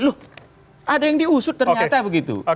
loh ada yang diusut ternyata begitu